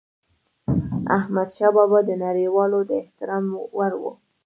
احمدشاه بابا د نړيوالو د احترام وړ و.